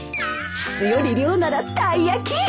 質より量ならたい焼き！